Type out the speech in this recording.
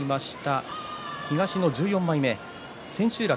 東の１４枚目千秋楽